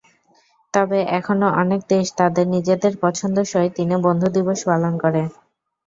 তবে এখনো অনেক দেশ তাদের নিজেদের পছন্দসই দিনে বন্ধু দিবস পালন করে।